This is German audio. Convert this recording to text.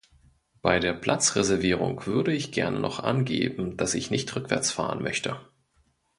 Bei der Platzreservierung würde ich gerne noch angeben, dass ich nicht rückwärts fahren möchte.